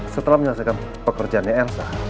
setelah menyelesaikan pekerjaannya elsa